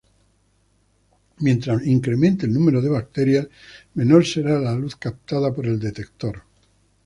Mientras incremente el número de bacterias, menor será la luz captada por el detector.